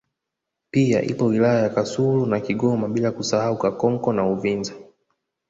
Pia ipo wilaya ya Kasulu na Kigoma bila kusahau Kakonko na Uvinza